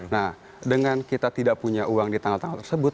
nah dengan kita tidak punya uang di tanggal tanggal tersebut